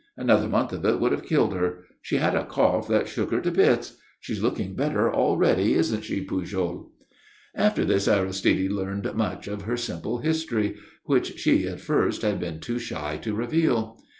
Another month of it would have killed her. She had a cough that shook her to bits. She's looking better already, isn't she, Pujol?" After this Aristide learned much of her simple history, which she, at first, had been too shy to reveal.